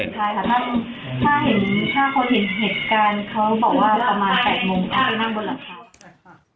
ถ้าคุณถ้าเห็นถ้าคนเห็นเหตุการณ์เขาบอกว่าประมาณแปดโมงเขาจะนั่งบนหลังคา